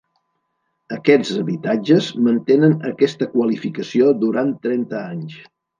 Aquests habitatges mantenen aquesta qualificació durant trenta anys.